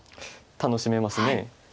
楽しめます。